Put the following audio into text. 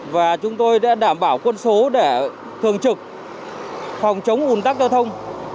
và chúng tôi đã đảm bảo quân số để thường trực phòng chống ủn tắc giao thông